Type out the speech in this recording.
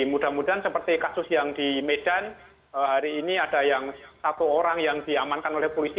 mudah mudahan seperti kasus yang di medan hari ini ada yang satu orang yang diamankan oleh polisi